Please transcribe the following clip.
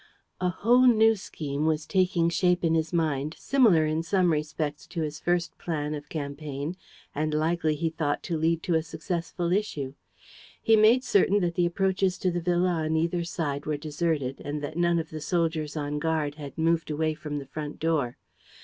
A whole new scheme was taking shape in his mind, similar in some respects to his first plan of campaign and likely, he thought, to lead to a successful issue. He made certain that the approaches to the villa on either side were deserted and that none of the soldiers on guard had moved away from the front door.